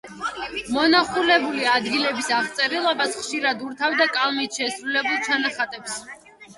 მონახულებული ადგილების აღწერილობას ხშირად ურთავდა კალმით შესრულებულ ჩანახატებს.